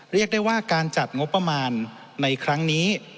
เรียกได้ว่าการจัดงบประมาณในครั้งนี้